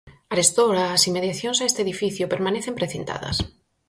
Arestora as inmediacións a este edificio permanecen precintadas.